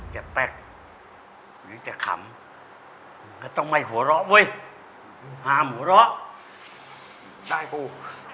แป๊กหรือจะขำแล้วต้องไม่หัวเราะเว้ยห้ามหัวเราะได้กู